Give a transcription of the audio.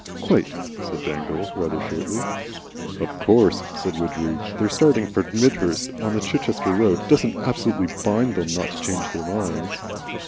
"Quite," said Dangle, rather shortly. "Of course," said Widgery, "their starting from Midhurst on the Chichester road doesn't absolutely bind them not to change their minds."